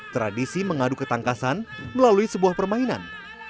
tradisi mengadu ketangkasan melalui sebuah permainan